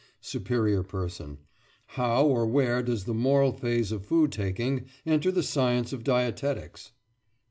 SUPERIOR PERSON: How or where does the moral phase of food taking enter the science of dietetics?